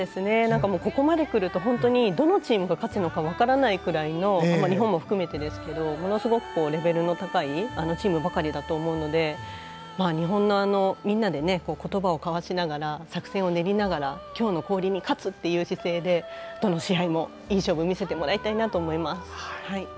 ここまでくると本当にどのチームが勝つのか分からないくらい日本も含めてですけどものすごくレベルの高いチームばかりだと思うので日本のみんなで言葉を交わしながら作戦を練りながら今日の氷に勝つという姿勢でどの試合もいい勝負を見せてもらいたいと思います。